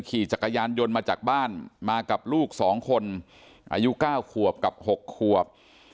ขี่จักรยานยนต์มาจากบ้านมากับลูก๒คนอายุ๙ขวบกับ๖ขวบ